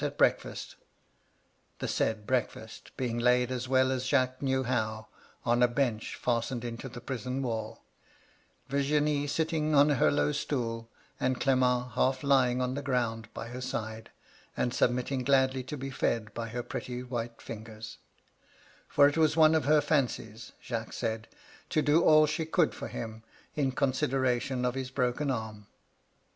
189 at breakfast, — the said breakfast being laid as well as Jacques knew how, on a bench fastened into the prison wall, — ^Virginie sitting on her low stool, and Clement half lying on the ground by her side, and submitting gladly to be fed by her pretty white fingers ; for it was one of her fancies, Jacques said, to do all she could for him, in connderation of his broken arm.